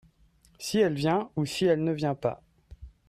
si elle vient ou si elle ne vient pas.